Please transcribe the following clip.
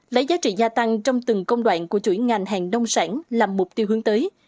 lấy giá trị gia tăng trong từng công đoạn của chuỗi ngành hàng nông sản làm mục tiêu hướng tới